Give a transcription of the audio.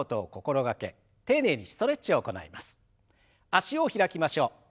脚を開きましょう。